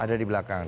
ada di belakang